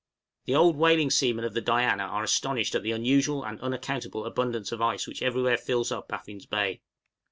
The old whaling seamen of the 'Diana' are astonished at the unusual and unaccountable abundance of ice which everywhere fills up Baffin's Bay.